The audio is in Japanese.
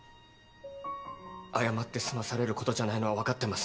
謝って済まされることじゃないのはわかってます。